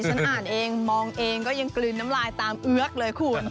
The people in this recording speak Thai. ฉันอ่านเองมองเองก็ยังกลืนน้ำลายตามเอื้อกเลยคุณ